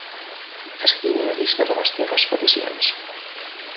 Escriu una llista de les teves peticions.